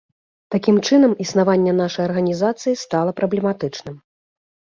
Такім чынам, існаванне нашай арганізацыі стала праблематычным.